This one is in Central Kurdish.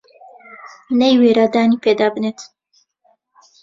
نەیوێرا دانی پێدا بنێت